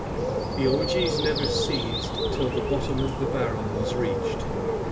The orgies never ceased till the bottom of the barrel was reached.